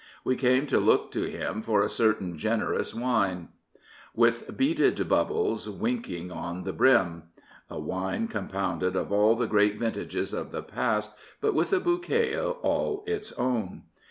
We came to look to him for a certain generous wine, with beaded bubbles winking at the brim ''— a wine compounded of all the great vintages of the past, but with a bouquet all its own.